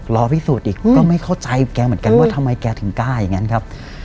รอพิสูจน์อีกก็ไม่เข้าใจแกเหมือนกันว่าทำไมแกถึงกล้าอย่างนั้นครับ